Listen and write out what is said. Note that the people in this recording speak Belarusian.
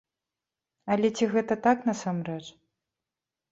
Але ці гэта так насамрэч?